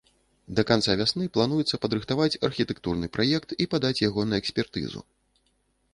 Да канца вясны плануецца падрыхтаваць архітэктурны праект і падаць яго на экспертызу.